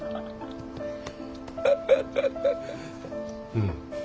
うん。